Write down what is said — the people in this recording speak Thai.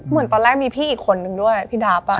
เหมือนตอนแรกมีพี่อีกคนนึงด้วยพี่ดาบ